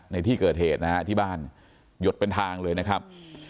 ในที่เกิดเหตุนะฮะที่บ้านหยดเป็นทางเลยนะครับ